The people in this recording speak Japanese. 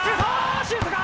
シュートだ！